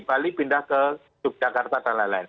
bali pindah ke yogyakarta dan lain lain